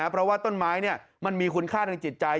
เพราะว่าต้นไม้มันมีคุณค่าทางจิตใจ